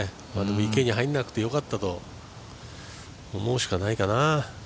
池に入らなくてよかったと思うしかないかな。